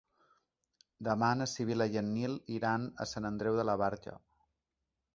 Demà na Sibil·la i en Nil iran a Sant Andreu de la Barca.